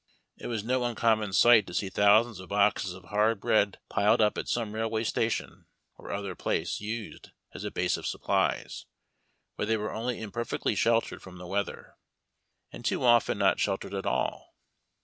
It was no uncommon sight to see thousands of boxes of hard bread piled up at some railway station or other place used as a base of supplies, where they were only imperfectly sheltered from the weather, and too often not sheltered at all.